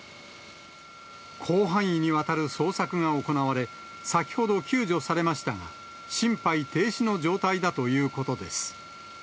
広範囲にわたる捜索が行われ、先ほど救助されましたが、心肺停止の状態だということです。